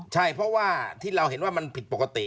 ใช่เพราะว่าที่เราเห็นว่ามันผิดปกติ